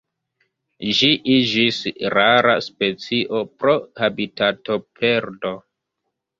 Ĝi iĝis rara specio pro habitatoperdo.